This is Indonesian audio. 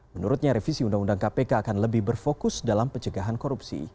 menurutnya revisi undang undang kpk akan lebih berfokus dalam pencegahan korupsi